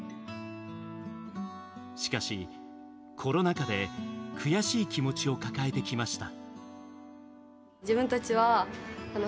しかし、コロナ禍で悔しい気持ちを抱えてきました。